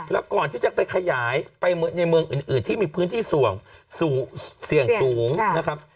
แล้วก่อนที่จะไปขยายไปในเมืองอื่นที่มีพื้นที่เสี่ยงสูงเสี่ยงสูงนะครับ